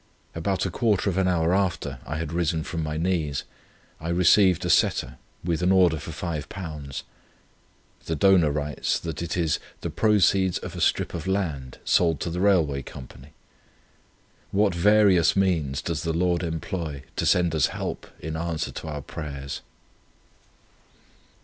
About a quarter of an hour after I had risen from my knees, I received a Setter, with an order for £5. The donor writes, that it is 'the proceeds of a strip of land, sold to the railway company.' What various means does the Lord employ to send us help, in answer to our prayers!"